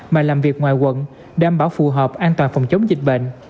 mà làm việc ngoài quận đảm bảo phù hợp an toàn phòng chống dịch bệnh